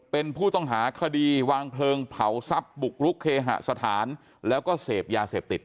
เป็นผู้ต้องหาคดีวางเพลิงเผาทรัพย์บุกรุกเคหสถานแล้วก็เสพยาเสพติด